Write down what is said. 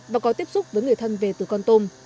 và có tiếp xúc với người thân về từ con tôm